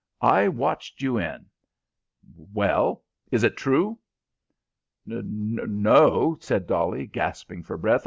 I watched you in. Well, is it true?" "No," said Dolly, gasping for breath.